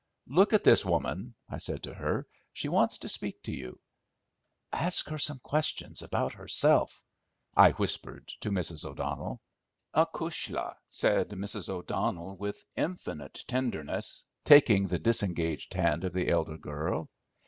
"Look at this woman," I said to her; "she wants to speak to you. Ask her some questions about herself," I whispered to Mrs. O'Donnell. "Acushla," said Mrs. O'Donnell with infinite tenderness, taking the disengaged hand of the elder girl.